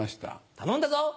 頼んだぞ！